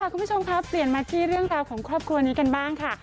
คุณผู้ชมครับเปลี่ยนมาที่เรื่องราวของครอบครัวนี้กันบ้างค่ะ